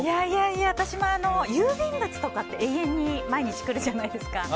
いやいや、私も郵便物とかって永遠に毎日来るじゃないですか。